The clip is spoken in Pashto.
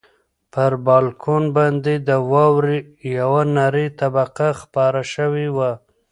پر بالکن باندې د واورې یوه نری طبقه خپره شوې وه.